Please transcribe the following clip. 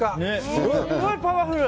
すごいパワフル。